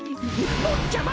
ぼっちゃま！